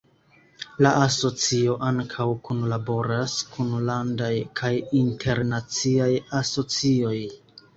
La asocio ankaŭ kunlaboras kun landaj kaj internaciaj asocioj.